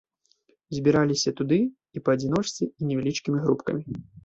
Збіраліся туды і па адзіночцы і невялічкімі групкамі.